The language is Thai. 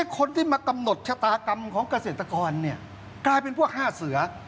คนที่มากำหนดชะตากรรมของเกษตรกรกลายเป็นพวก๕เสือ